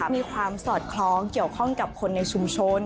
มีความสอดคล้องเกี่ยวข้องกับคนในชุมชน